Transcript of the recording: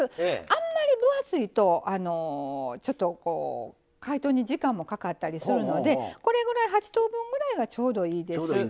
あんまり分厚いとちょっとこう解凍に時間もかかったりするので８等分ぐらいがちょうどいいです。